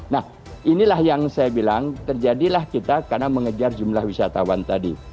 nah inilah yang saya bilang terjadilah kita karena mengejar jumlah wisatawan tadi